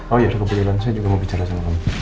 oh ya kebetulan saya juga mau bicara sama kamu